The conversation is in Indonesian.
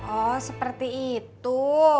oh seperti itu